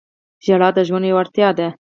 • ژړا د ژوند یوه اړتیا ده.